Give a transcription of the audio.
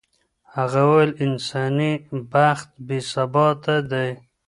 هغه وویل انساني بخت بې ثباته دی.